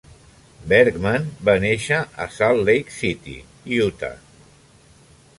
Bergman va néixer a Salt Lake City, Utah.